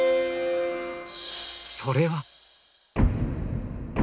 それは。